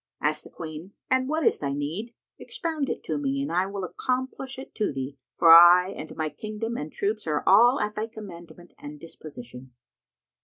Asked the Queen, "And what is thy need? Expound it to me, and I will accomplish it to thee, for I and my kingdom and troops are all at thy commandment and disposition."